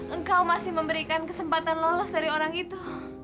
engkau masih memberikan kesempatan lolos dari orang itu